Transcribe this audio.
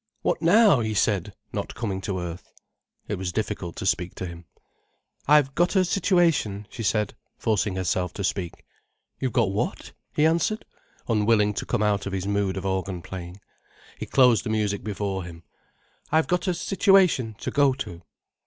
"What now?" he said, not coming to earth. It was difficult to speak to him. "I've got a situation," she said, forcing herself to speak. "You've got what?" he answered, unwilling to come out of his mood of organ playing. He closed the music before him. "I've got a situation to go to."